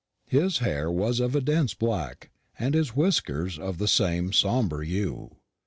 His hair was of a dense black, and his whiskers of the same sombre hue.